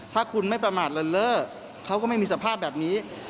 ถ้าคุณไม่ประมาทเลินเล่อเขาก็ไม่มีสภาพแบบนี้